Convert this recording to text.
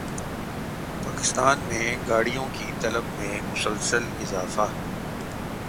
پاکستان میں گاڑیوں کی طلب میں مسلسل اضافہ